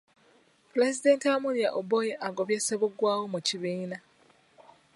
Pulezidenti Amuria Oboi agobye Ssebuggwawo mu kibiina.